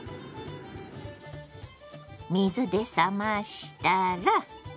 水で冷ましたら。